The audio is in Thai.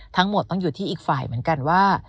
ทั้งหมดต้องอยู่ที่อีกฝ่ายเหมือนกันว่า